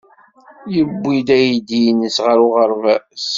Yewwi-d aydi-nnes ɣer uɣerbaz.